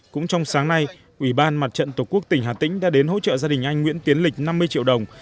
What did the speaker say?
cũng trong sáng nay ủy ban mặt trận tổ quốc tỉnh hà tĩnh đã đến hỗ trợ gia đình anh nguyễn tiến lịch năm mươi triệu đồng